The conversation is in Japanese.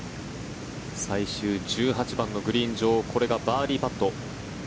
最終１８番のグリーン上これがバーディーパット。